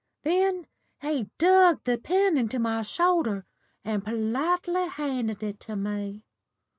Then he dug the pen into my shoulder and politely handed it to me.